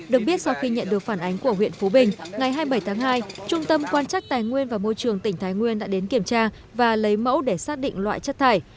được biết sau khi nhận được phản ánh của huyện phú bình ngày hai mươi bảy tháng hai trung tâm quan trách tài nguyên và môi trường tỉnh thái nguyên đã đến kiểm tra và lấy mẫu để xác định loại chất thải